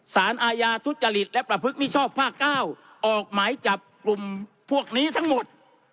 สารอาญาทุจริตและประพฤติมิชชอบภาค๙ออกหมายจับกลุ่มพวกนี้ทั้งหมด